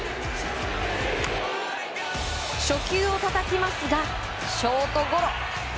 初球をたたきますがショートゴロ。